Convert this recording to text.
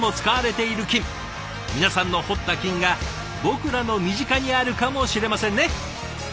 皆さんの掘った金が僕らの身近にあるかもしれませんね！